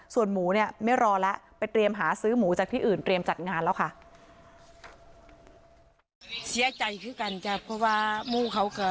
ส่วนหมูเนี่ยไม่รอแล้วไปเตรียมหาซื้อหมูจากที่อื่นเตรียมจัดงานแล้วค่ะ